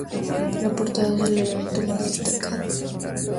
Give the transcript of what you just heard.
La portada es el elemento más destacado.